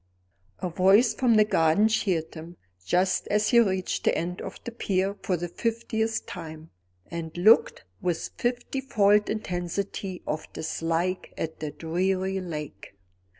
A voice from the garden cheered him, just as he reached the end of the pier for the fiftieth time, and looked with fifty fold intensity of dislike at the dreary lake.